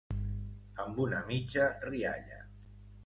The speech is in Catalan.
Amb una mitja rialla.